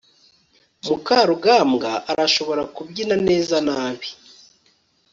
mukarugambwa arashobora kubyina neza nabi